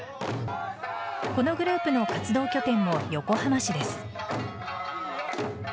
このグループの活動拠点も横浜市です。